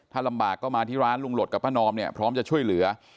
ถ้าลำบากก็มาที่ร้านลุงหลดกับป้านอมเนี่ยพร้อมจะช่วยเหลือ